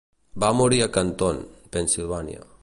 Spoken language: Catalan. Va morir a Canton (Pennsilvània).